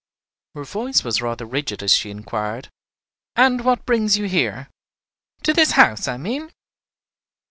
Her voice was rather rigid as she inquired, "And what brings you here? to this house, I mean?"